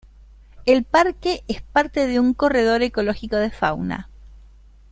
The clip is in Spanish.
El parque es parte de un Corredor Ecológico de Fauna.